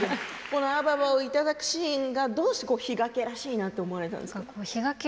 このアババをいただくシーンをどうして比嘉家らしいなと思われたんですか。